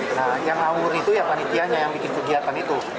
nah yang ngawur itu ya panitianya yang bikin kegiatan itu